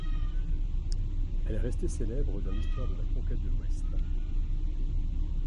Elle est restée célèbre dans l'histoire de la conquête de l'Ouest.